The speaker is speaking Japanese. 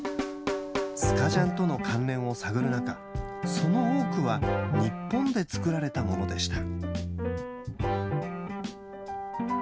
スカジャンとの関連を探る中、その多くは日本で作られたものでした。